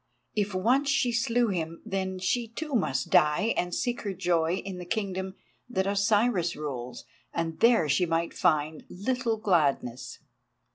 If once she slew him then she, too, must die and seek her joy in the kingdom that Osiris rules, and there she might find little gladness.